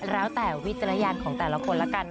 แล้วแต่วิจารณญาณของแต่ละคนละกัน